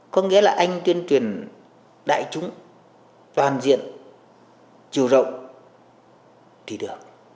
có nghĩa là anh tuyên truyền đại chúng toàn diện chiều rộng thì được